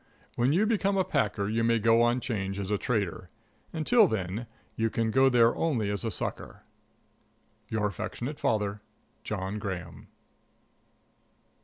When you become a packer you may go on 'Change as a trader; until then you can go there only as a sucker. Your affectionate father, JOHN GRAHAM.